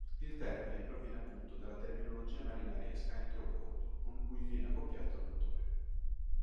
Il termine proviene appunto dalla terminologia marinaresca entrobordo con cui viene accoppiato il motore.